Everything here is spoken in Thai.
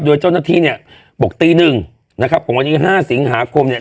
โดยเจ้าหน้าที่เนี่ยบอกตีหนึ่งนะครับของวันนี้ห้าสิงหาคมเนี่ย